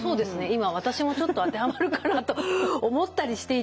今私もちょっと当てはまるかなと思ったりしていたんです。